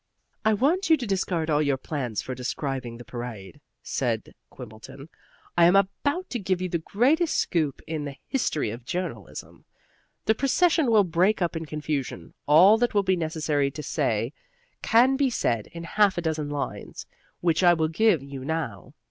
"I want you to discard all your plans for describing the parade," said Quimbleton. "I am about to give you the greatest scoop in the history of journalism. The procession will break up in confusion. All that will be necessary to say can be said in half a dozen lines, which I will give you now.